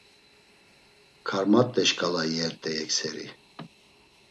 Karmat̆e şǩala iyert̆ey ekseri.